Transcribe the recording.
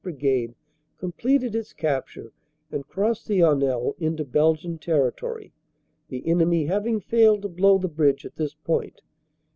Brigade, completed its capture and crossed the Honelle into Belgian territory, the enemy having failed to blow the bridge at this point.